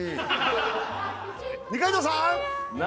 二階堂さん。